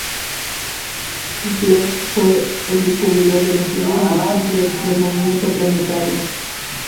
Kepler fue el descubridor de las leyes de Kepler del movimiento planetario.